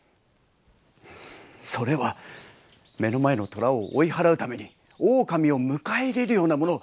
それは目の前の虎を追い払うために狼を迎え入れるようなもの。